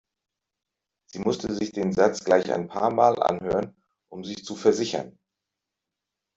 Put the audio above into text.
Sie musste sich den Satz gleich ein paarmal anhören um sich zu versichern.